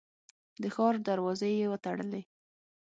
د ښار دروازې یې وتړلې.